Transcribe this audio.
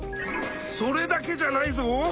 それだけじゃないぞ。